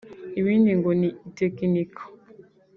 ibindi ngo ni itekinika